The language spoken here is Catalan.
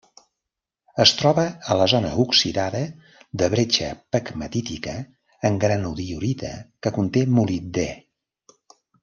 Es troba a la zona oxidada de bretxa pegmatítica en granodiorita que conté molibdè.